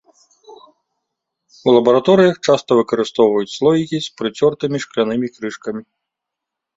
У лабараторыях часта выкарыстоўваюць слоікі з прыцёртымі шклянымі крышкамі.